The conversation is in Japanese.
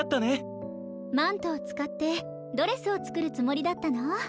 マントをつかってドレスをつくるつもりだったの？